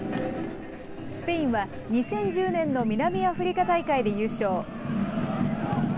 スペインは２０１０年の南アフリカ大会で優勝。